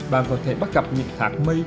bạn có thể bắt gặp những thác mây